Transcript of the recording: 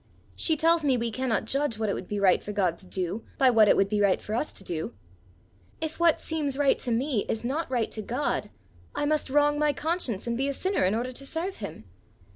She tells me we cannot judge what it would be right for God to do by what it would be right for us to do: if what seems right to me is not right to God, I must wrong my conscience and be a sinner in order to serve him!